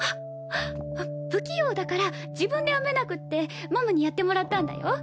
不器用だから自分で編めなくってママにやってもらったんだよ。